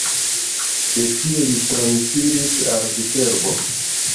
De tie li transiris al Viterbo.